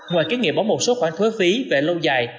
ngoài kiến nghị bỏ một số khoản thuế phí về lâu dài